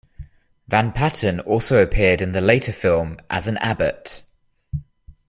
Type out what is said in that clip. Van Patten also appeared in the later film as an abbot.